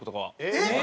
えっ！